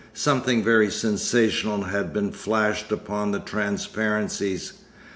Something very sensational had been flashed upon the transparencies.